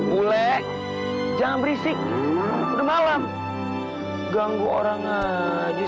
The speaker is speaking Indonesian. boleh jangan berisik udah malam ganggu orang aja sih